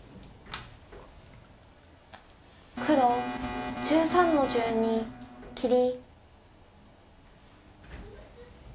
黒１３の十二切り。